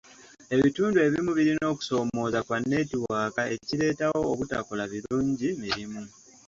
Ebitundu ebimu birina okusoomooza kwa neetiwaaka ekireetawo obutakola birungi mirimu.